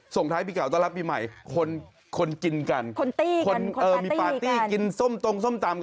ส่งท้ายปีเก่าต้อนรับปีใหม่คนคนกินกันคนตี้คนเออมีปาร์ตี้กินส้มตรงส้มตำ